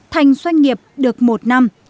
thành doanh nghiệp được một năm